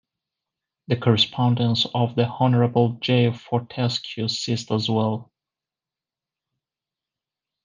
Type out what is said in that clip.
The correspondence of the Honorable J. Fortescue ceased as well.